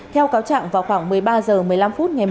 theo cáo trạng vào khoảng một mươi ba h một mươi năm